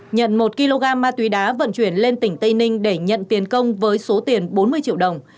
nhận một kg ma túy đá vận chuyển lên tỉnh tây ninh để nhận tiền công với số tiền bốn mươi triệu đồng